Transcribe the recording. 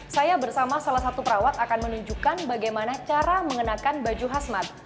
saya bersama salah satu perawat akan menunjukkan bagaimana cara mengenakan baju khasmat